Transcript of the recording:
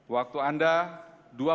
waktu anda dua menit